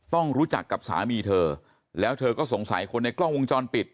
ต้องรู้จักกับสามีเธอแล้วเธอก็สงสัยคนในกล้องวงจรปิด